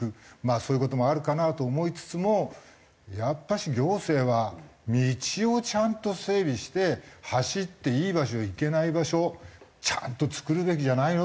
そういう事もあるかなと思いつつもやっぱし行政は道をちゃんと整備して走っていい場所いけない場所をちゃんと作るべきじゃないの？